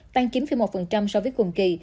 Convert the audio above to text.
tăng chín một so với cuồng kỳ